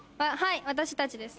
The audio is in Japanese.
私たちです。